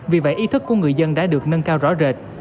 vì vậy ý thức của người dân đã được nâng cao rõ rệt